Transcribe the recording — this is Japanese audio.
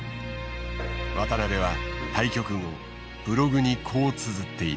渡辺は対局後ブログにこうつづっている。